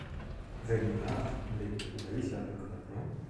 Wenn ja, mit welcher Begründung?